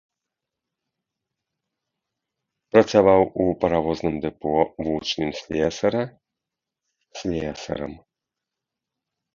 Працаваў у паравозным дэпо вучнем слесара, слесарам.